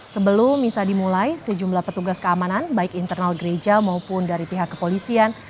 sebelum misa dimulai sejumlah petugas keamanan baik internal gereja maupun dari pihak kepolisian